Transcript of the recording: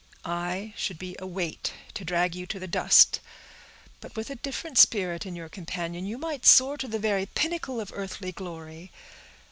I should be a weight to drag you to the dust; but with a different spirit in your companion, you might soar to the very pinnacle of earthly glory.